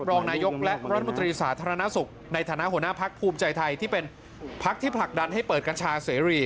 รองนายกและรัฐมนตรีสาธารณสุขในฐานะหัวหน้าพักภูมิใจไทยที่เป็นพักที่ผลักดันให้เปิดกัญชาเสรี